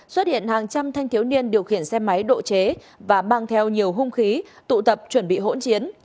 xuất hiện hàng trăm thanh thiếu niên điều khiển xe máy độ chế và mang theo nhiều hung khí tụ tập chuẩn bị hỗn chiến